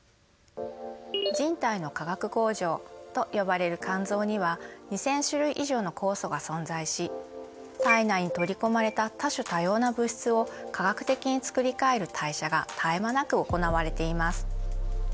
「人体の化学工場」と呼ばれる肝臓には２，０００種類以上の酵素が存在し体内に取り込まれた多種多様な物質を化学的に作り変える代謝が絶え間なく行われています。